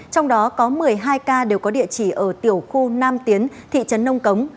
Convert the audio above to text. trong đó có một mươi hai ca đều có địa chỉ ở tiểu khu nam tiến thị trấn nông cống